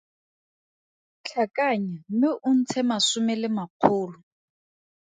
Tlhakanya mme o ntshe masome le makgolo.